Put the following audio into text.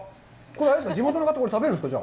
これ、地元の方は食べるんですか？